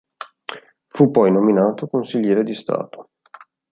Fu poi nominato consigliere di Stato.